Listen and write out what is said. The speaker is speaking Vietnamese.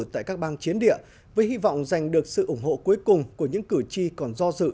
tại các bang chiến địa với hy vọng giành được sự ủng hộ cuối cùng của những cử tri còn do dự